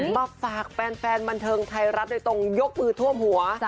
มาฝากแฟนบันเทิงไทยรัฐโดยตรงยกมือท่วมหัว